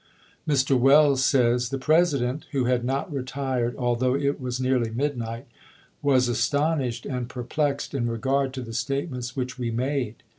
Mr. Welles says : The President, who had not retired, although it was nearly midnight, was astonished and perplexed in regard to the statements which we made.